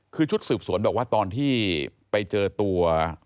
คือชุดสืบสวนบอกว่าตอนที่ไปเจอตัว